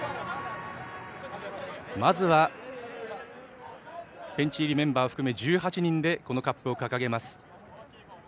まずは、ベンチ入りメンバー含め１８人でこのカップを掲げます。